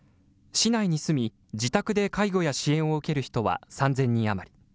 市内に住み、自宅で介護や支援を受ける人は３０００人余り。